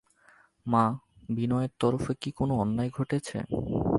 মা, বিনয়ের তরফে কি কোনো অন্যায় ঘটেছে?